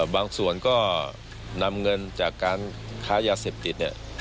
บางส่วนก็นำเงินจากการค้ายาเสพติดเนี่ย